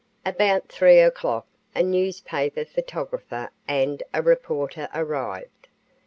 About 3 o'clock a newspaper photographer and a reporter arrived.